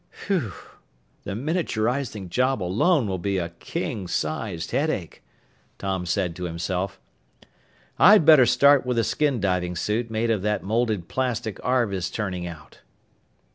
"Whew! The miniaturizing job alone will be a king sized headache!" Tom said to himself. "I'd better start with a skin diving suit made of that molded plastic Arv is turning out."